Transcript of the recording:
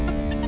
gue gak mau